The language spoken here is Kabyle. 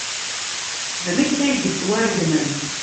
D nekk ay yettwaregmen.